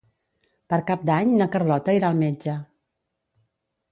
Per Cap d'Any na Carlota irà al metge.